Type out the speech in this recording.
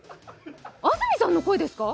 安住さんの声ですか！？